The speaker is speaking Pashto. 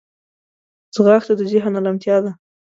ځغاسته د ذهن ارمتیا ده